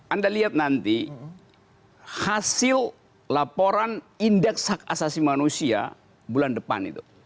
anda lihat nanti hasil laporan indeks hak asasi manusia bulan depan itu